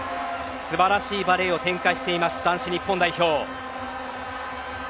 素晴らしいバレーを展開しています、男子日本代表。